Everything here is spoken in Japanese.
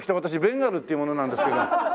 ベンガルっていう者なんですけど。